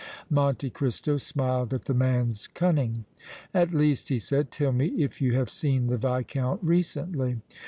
Monte Cristo smiled at the man's cunning. "At least," he said, "tell me if you have seen the Viscount recently."